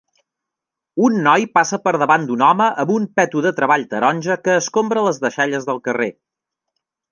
Un noi passa per davant d'un home amb un peto de treball taronja que escombra les deixalles del carrer.